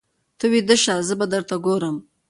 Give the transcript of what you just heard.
ته ویده شه زه به درته ګورم.